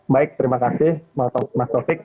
baik terima kasih mas taufik